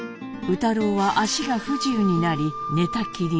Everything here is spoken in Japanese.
宇太郎は足が不自由になり寝たきりに。